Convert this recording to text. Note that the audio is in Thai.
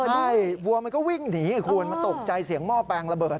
ใช่วัวมันก็วิ่งหนีคุณมันตกใจเสียงหม้อแปลงระเบิด